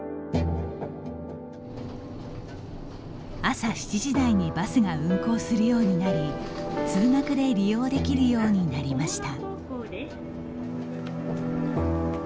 朝７時台にバスが運行するようになり通学で利用できるようになりました。